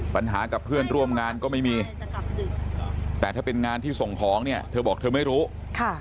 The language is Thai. กับเพื่อนร่วมงานก็ไม่มีแต่ถ้าเป็นงานที่ส่งของเนี่ยเธอบอกเธอไม่รู้ค่ะ